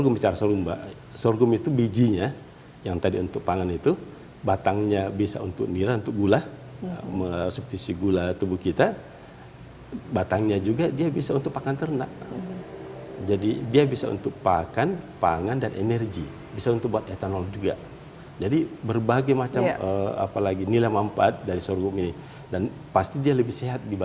maksudnya dalam skala besar dalam skala industri